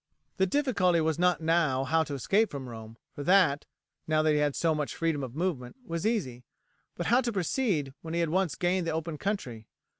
The difficulty was not how to escape from Rome, for that, now that he had so much freedom of movement, was easy, but how to proceed when he had once gained the open country.